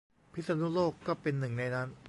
พิษณุโลกก็เป็นหนึ่งในนั้น